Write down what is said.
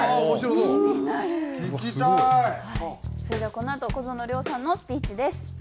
それではこのあと小園凌央さんのスピーチです。